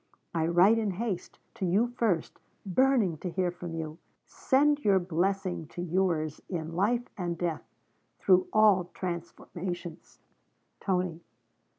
I write in haste, to you first, burning to hear from you. Send your blessing to yours in life and death, through all transformations, 'TONY.'